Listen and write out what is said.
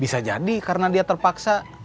bisa jadi karena dia terpaksa